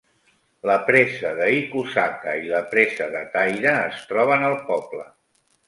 La presa de Ikusaka i la presa de Taira es troben al poble.